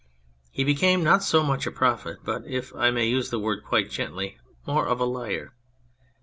He became not so much a prophet, but, if I may use the word quite gently, more of a liar.